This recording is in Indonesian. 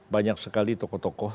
banyak sekali tokoh tokoh